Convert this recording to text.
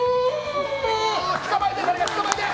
捕まえて、捕まえて！